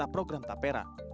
dalam program tapera